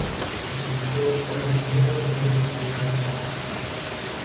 Que si todos fueran un miembro, ¿dónde estuviera el cuerpo?